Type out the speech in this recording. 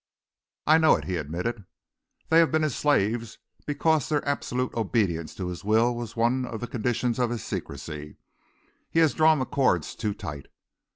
"I know it," he admitted. "They have been his slaves because their absolute obedience to his will was one of the conditions of his secrecy. He has drawn the cords too tight.